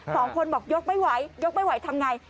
สองคนบอกยกไม่ไหวยกไม่ไหวทำไง